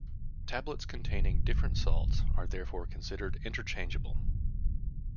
Tablets containing different salts are therefore considered interchangeable.